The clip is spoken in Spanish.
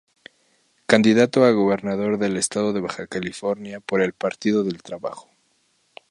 Candidato a Gobernador del Estado de Baja California por el Partido del Trabajo.